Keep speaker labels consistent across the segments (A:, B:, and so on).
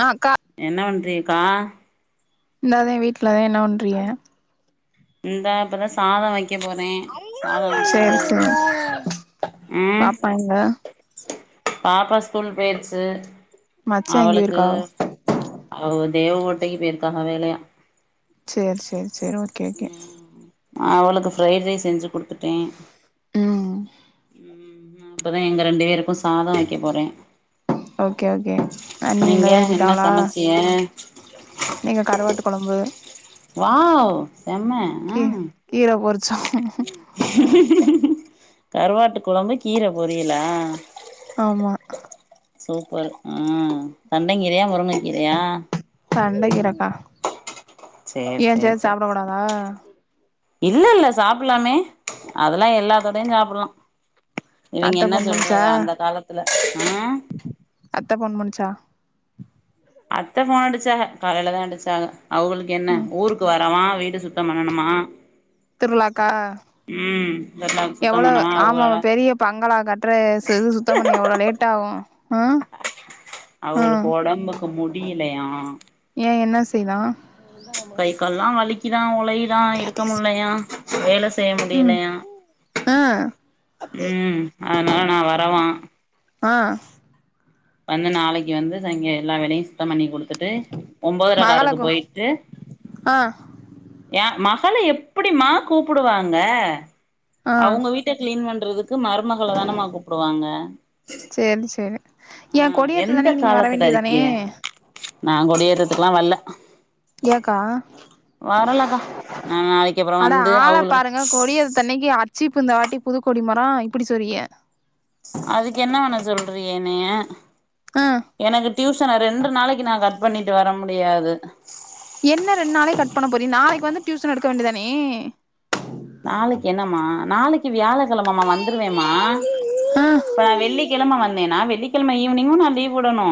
A: ஆ அக்கா
B: என்ன பண்றீக்கா
A: இந்தாதா வீட்டுலதா என்ன பண்ணுறீக
B: இந்தா இப்பதா சாதம் வைக்க போறே சாதம் வச்சுட்டு
A: சேரி சேரி
B: ம்
A: பாப்பா எங்க
B: பாப்பா ஸ்கூல் பேய்ர்ச்சு
A: மச்சா எங்க இருக்காவ
B: அவ தேவ கோட்டைக்கு போயிருக்காங்க வேலையா
A: செரி செரி செரி ஓகே ஓகே
B: அவளுக்கு ஃப்ரைட் ரைஸ் செஞ்சு கொடுத்துட்டே
A: ம்
B: ம் ம் இப்பதா எங்க ரெண்டு வேருக்கு சாதம் வக்க போறே
A: ஓகே ஓகே அ நீங்க
B: என்ன
A: கிளம்பிட்டாலா அ
B: சமைச்சிய
A: இங்க கருவாட்டு குழம்பு
B: வாவ் செம அ
A: சா
B: கருவாட்டு குழம்பு கீர பொரியலா
A: ஆமா
B: சூப்பர் ஆ தண்ட கீரையா முருங்க கீரையா
A: தண்ட கீரைகா
B: சேரி
A: ஏ
B: சேரி
A: சேத் சாப்பிட
B: சேரி
A: கூடாதா
B: இல்ல இல்ல சாப்பிடலாமே அதெல்லா எல்லாத்தோடையு சாப்பிடலா இவைங்க
A: அத்த
B: என்ன
A: ஃபோன் பண்ணுச்சா
B: சொல்றது அந்த காலத்துல ஆ
A: அத்த போன் பண்ணுச்சா
B: அத்த ஃபோன் அடிச்சாக காலையில தா அடிச்சாக அவகளுக்கு என்ன
A: ம்
B: ஊருக்கு வரவா வீட் டு சுத்தம் பண்ணணுமா
A: திருவிழாக்கா
B: ம் பெருநாளுக்கு சுத்தம்
A: எவ்வளவு
B: பண்ணவா
A: ஆம ம
B: அவங்களால
A: பெரிய பங்களா கட்டுரே செவுரு சுத்தபண்ண எவ்வளோ லேட் ஆகு ஆ ஆ
B: அவளுக்கு உடம்புக்கு முடியலையா
A: செய் தா
B: கை கால்லா வலிக்குதா ஒலைதா இருக்க முடிலையா வேல செய்ய
A: ம்
B: முடியலையா
A: ஆ
B: உம் அதனால நா வரவா
A: ஆ
B: வந்து நாளைக்கு வந்து சங்க எல்லா வேலையு சுத்த பண்ணி கொடு த்துட்டு ஒன்பதரக்கருக்கு
A: மகளக்கு
B: போயிட்டு
A: ஆ
B: ஏ மா தல எப்படிமா கூப்பிடுவாங்க
A: ஆ
B: அவங்க வீட்ட கிளீன் பண்றது க்கு மருமகள தானமா கூப்டுவாங்க
A: சேரி சேரி
B: ஆ
A: ஏ
B: எந்த
A: கொடியேத்ததன்னைக்கு நீங்க வர
B: காலத்துல
A: வேண்டியதானே
B: இருக்கிய நா கொடியேறதுக்கேல்லா வல்ல
A: ஏக்கா
B: வரலக்கா நா நாளைக்கு அப்றோ
A: அட
B: வந்து
A: ஆள
B: அவுங்களுக்கு
A: பாருங்க கொடியேத் அன்னைக்கு அச்சி இப்ப இந்த வாட்டி புதுக்கேடி மரம் இப்படி சொரியிய
B: அதுக்கு என்ன பண சொல்றிகா எனைய
A: ஆ
B: எனக்கு டியூசன ரெண்டு நாளைக்கு நான் கட் பண்ணிட்டு வர முடியாது
A: என்ன ரெண்டு நாளைக்கு கட் பண்ண போற நாளைக்கு வந்து டியூசன் எடுக்க வேண்டியதணே
B: நாளைக்கு என்னமா நாளைக்கு வியாழ கிழமமா வந்துருவேமா
A: ஆ
B: இப்ப வெள்ளிக்கிழமை வந்தேன்னா வெள்ளிக் கிழமை ஈவினிங்கு நா லீவ் விடனு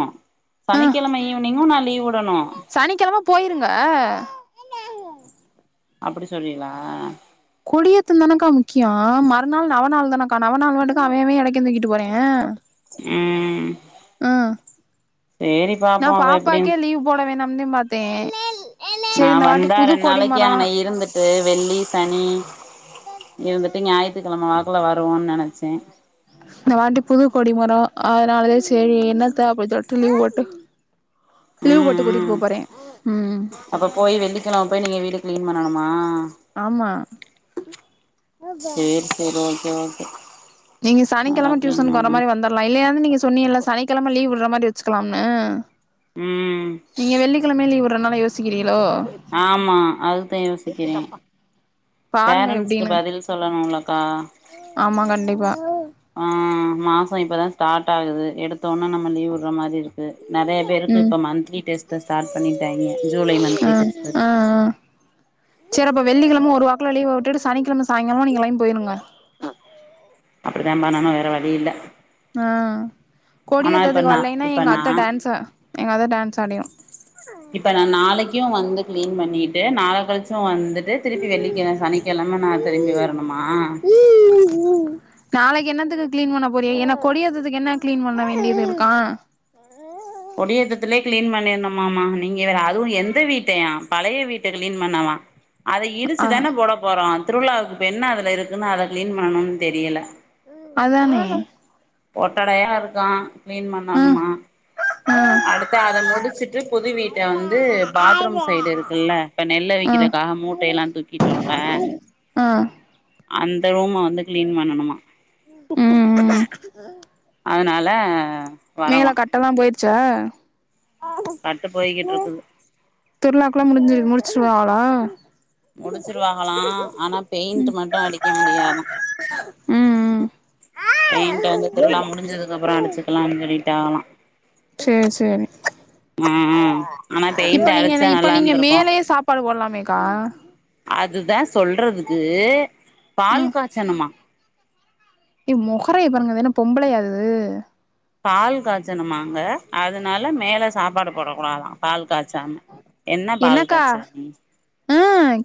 B: சனிக்கிழமை ஈவினிங்கு நா லீவ் விட
A: சனிக்கிழமை போயிருங்க
B: அப்டி சொல்ரிகளா
A: கொடியத்து தானக்கா முக்கிய மறுநாள் நவநள் தானக்கா நவநள் மட்டுக்க அவே அவே இடைக்க தூங்கிட்டு போறே
B: ம் சேரி
A: நா
B: பாப்போ அவ எப்டின்னு
A: பாப்பாக்கே லீவ் போட வேணா அ மாத்த
B: நா வந்தா ரெண்டு நாளைக்கு அங்கனை இருந்துட்டு து வெள்ளி சனி இருந்துட்டு ஞாயித்துக்கிழமை வாக் குல வருவோன்னு நினைச்சே
A: இந்த வாட்டி புது கொடி மரம் அதனாலதே சரி என்னத்த அப்படி சொல்ட்டு லீவ் போட்டு லீவ்
B: ம்
A: போட்டு கூட்டிட்டு போ
B: ம்
A: போறே ம்
B: அப்ப போய் வெள்ளிக்கிழமை போய் நீங்க வீடு கிளீன் பண்ணணுமா
A: ஆமா
B: சேரி சேரி ஓகே ஓகே
A: நீங்க
B: நல்லா
A: சனிக்கிழம
B: கிளீன்
A: டியூசன்கு வர
B: பண்ணு
A: மாரி வந்துரலா இல்லையாது நீங்க சொன்னி இல்ல சனிக்கிழமை லீவ் விடுற மாதிரி வச்சுக்கலாம்னு
B: ம்
A: சனிக்கிழம லீவ் விட்ரநால யோசிக்கிறிக
B: ஆமா அதுதே யோசிக்கிறே
A: பாருங்க
B: பேரண்ட்ஸ்கு
A: எப்டின்னு
B: பதில் சொல்லணும்லக்கா
A: ஆமா கண்டிப்பா
B: ஆ மாச இப்பதா ஸ்டார்ட் ஆகுது எடுத்தோன்னே நம்ம லீவ் விடுற மாரி இருக்கு நெறைய பேருக்கு
A: ம்
B: இப்போ மந்த்லி டெஸ்ட்ட ஸ்டார்ட் பண்ணிட்டாங்கே ஜூலை மந்த்லி டெஸ்டு
A: செரப்ப வெள்ளிக்கிழம ஒரு வாக்குல லீவ விட்டுட்டு சனிக்கிழம சாயங்காலம நீங்க லைன் போயிருங்க
B: அப்டிதா பண்ணணு வேற வழி இல்ல
A: ஆ கொடி
B: ஆனா இப்ப
A: ஏத்ததுக்கு
B: நா
A: வல்லைன்னா
B: இப்ப
A: எங்க
B: நா
A: அத்தை டான்ஸ் எங்க அத்தை டான்ஸ் ஆடிரு
B: இப்ப நா நாளைக்கு வந்து கிளீன் பண்ணிட்டு நாளை கழிச்சு வந்து திருப்பி வெள்ளிக்கிழ சனிக்கிழமை நா திரும்பி வரணுமா
A: நாளைக்கு என்னத்துக்கு கிளீன் பண்ண போறிகா என்ன கொடியேதைதுக்கு என்ன கிளீன் பண்ண வேண்டியது இருக்கா
B: கொடிய ஏத்தத்துலே கிளீன் பண்ணிருனுமாமா நீங்க வேற அதுவு எந்த வீட்டையா பழைய வீட்டை கிளீன் பண்ணவா வா அதை
A: ஆ
B: இடிச்சு தானே போட போறோ திருவிழாவுக்கு இப்ப என்ன அதுல இருக்குன்னு அதை கிளீன் பண்ணணும்னு தெரியல
A: அதானே
B: ஒட்டடையா இருக்கா கிளீன்
A: ஆ
B: பண்ணணுமா
A: ஆ
B: அடுத்த அத முடிச்சுட்டு புது வீட்டை வந்து பாத்ரூம் சைடு இருக்குல்ல இப்ப நெல்
A: ஆ
B: வைக்க இதுக்காக மூட்டை எல்லா தூக்கிட்டோல
A: ஆ
B: அந்த ரூம வந்து கிளீன் பண்ணணுமா
A: ம் ம்
B: அதனால
A: மேல
B: வரவா
A: கட்டல்லா போய்ருச்ச
B: கட்டு போய்கிட்டு இருக்குது
A: திருலாக்குலாம் முடிஞ்சு முடிச்சிருவாங்கலா
B: முடிச்சிருவாகலா ஆனா பெயிண்ட்
A: ம்
B: மட்டு அடிக்க முடியாதா
A: ம் ம்
B: பெயின்ட்டு வந்து திருவிழா முடிஞ்சதுக்கு அப்றோ அடிச்சுக்கலானு சொல்லிட்டாகளா
A: சேர் சேரி
B: ஆனா
A: இப்பொ
B: பெயிண்ட்
A: நீங்க என்ன
B: அடிச்சா
A: இப்ப
B: நல்லா
A: நீங்க
B: இருந்திருக்கு
A: மேலயே சாப்பாடு போட்லாமேக்கா
B: இதுதே சொல்றதுக்கு பால்
A: ம்
B: காச்சணுமா
A: ஏ மொஹரைய பாருங்க‌ இதென்ன பொம்பளையா இது
B: பால் காச்சணுமாங்க அதுனால மேல சாப்பாடு போடக்கூடாதா பால் காச்சாம என்ன பால்
A: என்னக்கா
B: காச்சுற நீ
A: ஆ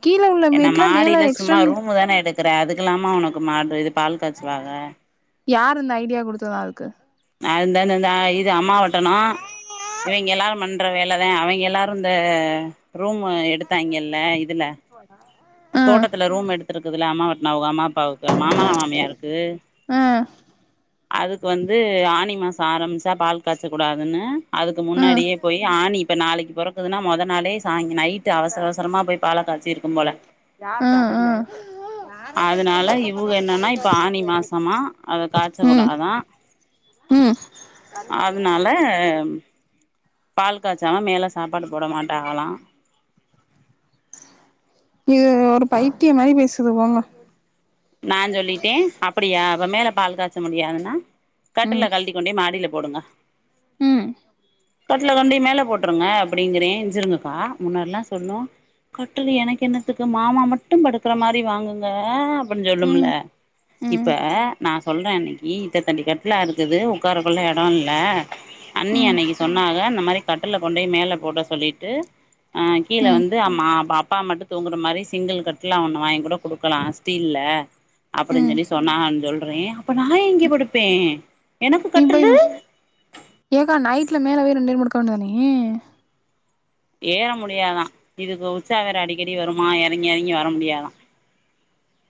A: கீழ உள்ள
B: என்ன
A: மீட்ல மேல
B: மாடில சும்மா
A: எக்ஸ்டன்
B: ரூமு தான எடுக்குற அதுக்குலாமா ஒனக்கு மாடு இது பால் காச்சுவாக
A: யார் இந்த ஐடியா குடுத்ததா அதுக்கு
B: அ இந்தந்த இந்த இது அம்மாவட்டனு இவிங்க எல்லாரு பண்ற வேலதே அவிங்க எல்லாரு இந்த ரூமு எடுத்தாய்ங்கல் ல இதுல
A: ம்
B: தோட்டத்துல ரூம் எடுத்துருக்குதுல அம்மாவட்னோ அவுக அம்மா பாவுக்கு அ மாமனா மாமியாருக்கு
A: ம்
B: அதுக்கு வந் து ஆணி மாசொ ஆரம்ச்சா பால் காச்சக் கூடாதுன்னு அதுக்கு
A: ம்
B: முன்னாடியே போய் ஆணி இப்ப நாளக்கி பொற க்குதுன்னா மொத நாளே சாய்ங் நைட்டு அவசர அவசரமா போய் பால காச்சி இருக்கும் போல
A: ம்
B: அதுனால இவுக என்னான்னா இப்ப ஆணி மாசமா அத காச்ச
A: ம்
B: கூடாதா
A: ம் ம்
B: அதுனால ம் பால் காச்சாமா மேல சாப்பாடு போட மாட்டாங்களா
A: இது ஒரு பைத்தியொ மேரி பேசுது போங்க
B: நாஞ் சொல்லிட்டே அப்படியா அப்ப மேல பால் காச்ச முடியாதுன்னா கட்டில
A: ம்
B: கழட்டிக் கொண்டோய் மாடிலப் போடுங்க
A: ம்
B: கட்ல கொண்டோய் மேல போட்ருங்க அப்டிங்கிறே இஞ்சருங்கக்கா முன்னாட்லா சொல்லு கட்டுலு எனக்கு என்னத்துக்கு மாமா மட்டு படுக்குற மாரி வாங்குங்க அப்டின் சொல்லும்ல
A: ம் ம்
B: இப்ப நா சொல்ற அன்னக்கி இத்த தண்டி கட்லா இருக்குது ஒக்காரக்கொள்ள எடோ இல்ல அண்ணி
A: ம்
B: அன்னக்கி சொன்னாக இந்த மாரி கட்டுல கொண்டய் மேல போட சொல்லிட்டு ஆ கீழ
A: ம்
B: வந்து அம்மா அப் அப்பா மட்டு தூங்குற மாரி சிங்கிள் கட்லா ஒன்னு வாயிங்கூட குடுக்கலா தி இல்ல அப்டின்
A: ம்
B: சொல்லி சொன்னாங்கன் சொல்றே அப்ப நா எங்கே படுப்பே எனக்கு
A: நீ போய்
B: கட்டுலு
A: ஏக்கா நைட்ல மேல போய் ரெண்டேரு படுக்க வேண்டியதானே
B: ஏற முடியாதா இதுக்கு உச்சா வேற அடிக்கடி வருமா எறங்கி எறங்கி வர முடியாதா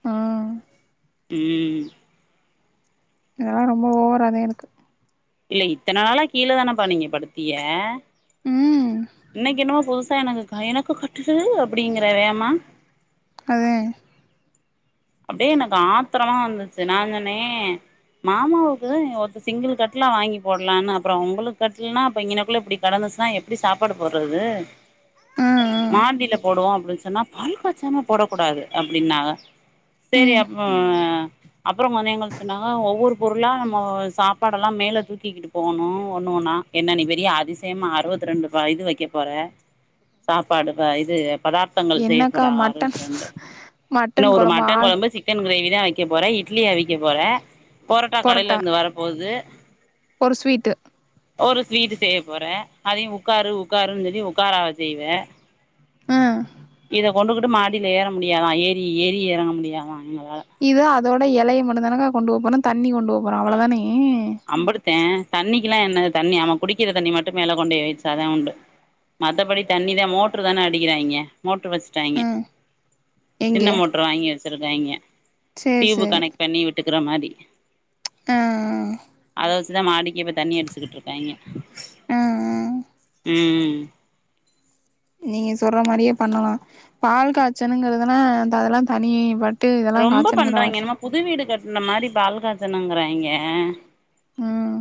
A: ஆ
B: ம்
A: இதெல்லா ரொம்ப ஓவராதே இருக்கு
B: இல்ல இத்தன நாளா கீழ தானப்பா நீங்க படுத்தீய
A: ம்
B: இன்னக்கி என்னமோ புதுஸ் சா எனக்கு எனக்கு கட்டுலு அப்டிங்கிற வேமா
A: அதே
B: அப்டியே எனக்கு ஆத்ரமா வந்துச்சி நா‌ஞ் சொன்னே மாமாவுக்குதே ஒத்த சிங்கிள் கட்லா வாங்கி போட்லான்னு அப்பறோ உங்களுக் கட்டுல்னா அப்ப இங்கெனக்குள்ள இப்டி கடந்து ஸ்னா எப்டி சாப்பாடு போட்றது
A: ஆ ஆ
B: மாடில போடுவோ அப்டின் சொன்னா பால் காச்சாம போடக் கூடாது அப்டின்னாக செரி
A: ம்
B: அப் ஆ அப்பறோ கொஞ் நேரொ கழிச்சி சொன்னாக ஒவ்வொரு பொருளா நம்மோ சாப்பாடல்லா மேல் ல தூக்கிக்கிட்டு போவணு ஒண்ணு ஒண்ணா என்ன நீ பெரிய அதிசயமா அறுவத்தி ரெண்டு வ இது வெக்கப் போற சாப்பாடு ப இது பதார்த்தங்கள்
A: என்னக்கா
B: செய்யப்போறாங்க
A: மட்டன்
B: அறுவத்ரெண்டு இன்னு
A: மட்டன்
B: ஒரு மட் டன்
A: ஆள்
B: கொழம்பு சிக்கன் க்ரேவிதா வெக்கப் போற இட்லி அவிக்க போற‌ பொரோட்டா
A: பொரட்டா
B: கடைலருந்து வரப் போது
A: ஒரு ஸ்வீட்டு
B: ஒரு ஸ்வீட்டு செய்யப் போற அதையு உக்காரு உக்காருன் சொல்லி உக்காராவ செய்வ
A: ஆ
B: இத கொண்டுக்குட்டு மாடியில ஏற முடியாதா ஏறி ஏறி எறங்க முடியாதா ம்மா
A: இதோட எலய மட்டுந்தானங்க கொண்டு போகபோறோ தண்ணி கொண்டு போகபோறோ அவளதானேங்க
B: அம்புட்டுத்தே தண்ணிக்குலா என்ன தண்ணி ஆமா குடிக்கிற தண்ணி மட்டு மேல கொண்டு போய் வைச்சாதா உண்டு மத்தபடி தண்ணிதே மோட்ரு தான அடிக்கிறாங்கெ மோட்ரு வச்சுட்டாங்கெ
A: ம் எங்க
B: சின்ன மோட்ரு வாங்கி வச்சுருக்காங்கெ
A: சேரி
B: ட்யூப்
A: சேரி
B: கனெக்ட் பண்ணி விட்டுக்குற மாரி
A: ஆ
B: இத வச்சுதா மாடிக்கு இப்ப தண்ணி அடிச்சுக்கிட்ருக்காங்கெ
A: ஆ ஆ
B: ம்
A: நீங்க சொற்ற மாரியே பண்ணலா பால் காச்சனுங்கிறதுலா அந்த அதெல்லா தனி பட்
B: ரொம்ப பண்றாங்கெ என்னமோ புது வீடு கட்டுன மாரி பால் காச்சனுங்கறாங்கெ
A: ம்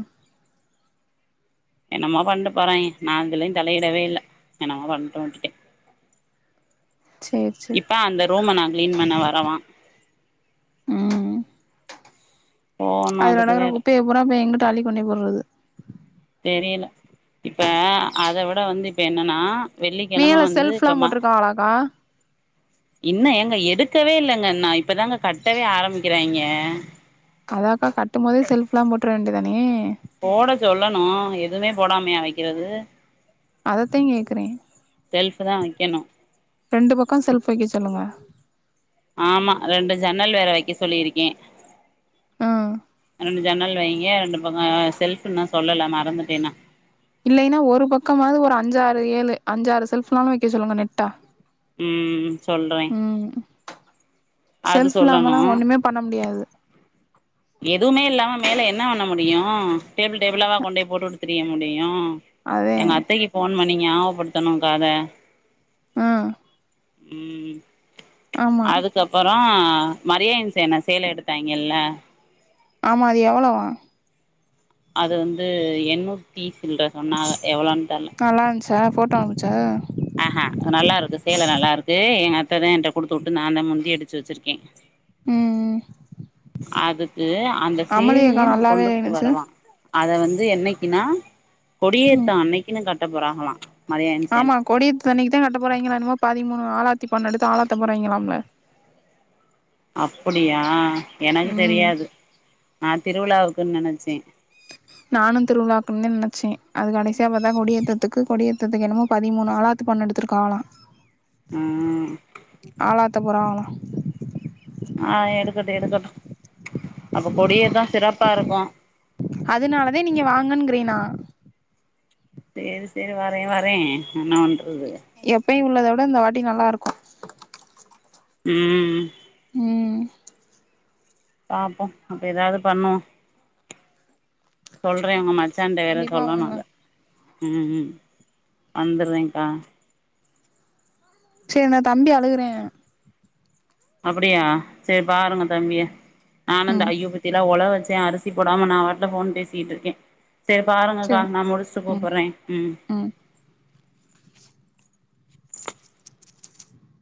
B: என்னமோ பண்ட்டு போறாங்கெ நா எதுலயு தலயிடவே இல்ல என்னமோ பண்ட்டு விட்டுட்டே
A: சேரி சேரி
B: இப்ப அந்த ரூம நா க்ளீன் பண்ண வரவா [unintelligible]
A: ம்
B: போகணு
A: அதுல
B: அதுக்கு
A: கெடக்குற
B: வேற
A: குப்பைய பூரா இப்ப எங்குட்டு அள்ளி கொண்டோய் போட்றது
B: தெரியல இப்ப அத விட வந்து இப்ப என்னனா வெள்ளிக்கெழம
A: மேல
B: வந்து
A: செல்ஃப்லா
B: இப்பமா
A: போட்ருக்காங்களாக்கா
B: இன்ன ஏங்க எடுக்கவே இல்லங்க இன்ன இப்பதாங்க கட்டவே ஆரம்மிக்கிறாங்கெ
A: அதாக்கா கட்டும்போதே செல்ஃப்லா போட்ற வேண்டி தானே
B: போட சொல்லணு எதுமே போடாமயா வக்கிறது
A: அதத்தே கேக்குறே
B: செல்ஃபுதா வக்கெணு
A: ரெண்டு பக்க செல்ஃப் வெக்க சொல்லுங்க
B: ஆமா ரெண்டு ஜன்னல் வேற வக்கெ சொல்லிருக்கே
A: ம்
B: ரெண்டு ஜன்னல் வைங்க ரெண்டு பக்க செல்ஃபு இன்னு சொல்லல மறந்துட்டே நா
A: இல்லைனா ஒரு பக்கமாது ஒரு அஞ்சாறு ஏழு அஞ்சாறு செல்ஃபுனாலு வக்கெ சொல்லுங்க நெட்டா
B: ம் சொல்றே
A: ம்
B: அது
A: செல்ஃப்
B: சொல்லணு
A: இல்லாமலா ஒண்ணுமே பண்ண முடியாது
B: எதுவுமே இல்லாம மேல என்ன வண்ண முடியு டேபிள் டேபிளாவா கொண்டோய் போட்டுட்டு திரிய முடியு
A: அதே
B: எங்க அத்தைக்கு ஃபோன் பண்ணி நியாவகப்படுத்தணுங்க்கா அத
A: ம்
B: ம்
A: ஆமா
B: ஆ மரியான் சேன சேல எடுத்தாங்கெல்ல
A: ஆமா அது எவளோ
B: அது வந்து எண்ணூத்தி சில்ற சொன்னாக எவளோன் தெர்ல
A: சா ஃபோட்டா அம்ச்சா
B: ஆஹ நல்லா இருக்கு சேல நல்லா இருக்கு எங்க அத்ததே என்ட்ட குடுத்து வுட்டு நாந்தே முந்தி அடிச்சு வச்சிருக்கே
A: ம் ம்
B: அதுக்கு அந்த
A: அமளியக்கா
B: சேலய நா
A: நல்லாவே
B: கொண்டுகிட்டு
A: இருந்துச்சு
B: வரவா அத வந் து என்னைக்கினா
A: ம்
B: மரியாயன் சேன
A: ஆமா கோடித் துணிக்குதா கட்ட போறங்கெளா என்னமோ பதிமூணு ஆளத் த்தி பண்ணெடுத்து ஆழாத்த போறாங்கெளாம்ல
B: அப்புடியா எனக்கு
A: ம்
B: தெரியாது நா திருவிழாவுக்குன் நெனச்சே
A: நானு திருவிழாக்குன்தே நெனச்சே அது கடைசியா பாத்தா கொடியேத்தத்துக்கு கொடியேத்தத்துக்கு என்னமோ பதிமூணு ஆழாத் பண்ணெடுத்துருக்காகலா
B: ம்
A: த்த போறாகளா
B: ஆ எடுக்கட்டு அப்ப கொடியேத்த சிறப்பா இருக்கு
A: அதுனாலதே நீங்க வாங்கங்கிறே நா
B: சேரி சேரி வரே வரே என்ன பண்றது
A: மேம் இந்த வாட்டி நல்லாருக்கு
B: ம் பாப்போ அப்ப ஏதாவது பண்ணுவோ சொல்றே உங்க மச் சனண்ட வேற
A: கண்டிப்பா
B: சொல்லணு
A: வாங்க
B: அத ம் ம் வந்தற்றேங்க்கா
A: சேரி நா தம்பி அலுகுறே
B: அப்படியா சேரி பாருங்க தம்பிய நானுந்த
A: ம்
B: ஐயோ பத்தியல ஒல வெச் சே அரிசி போடாம நா வாட்டுல ஃபோன் பேசிகிட்ருக்கேன் சேர் பாருங்கக்கா
A: சேரி
B: நா முடிச்சிட்டு
A: ம்
B: கூப்புற்றே ம்